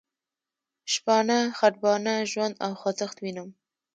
شپانه، خټبانه، ژوند او خوځښت وینم.